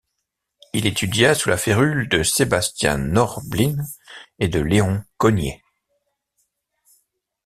Il étudia sous la férule de Sébastien Norblin et de Léon Cogniet.